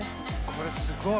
「これすごい！」